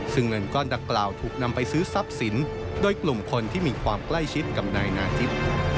ซึ่งเงินก้อนดังกล่าวถูกนำไปซื้อทรัพย์สินโดยกลุ่มคนที่มีความใกล้ชิดกับนายนาทิพย์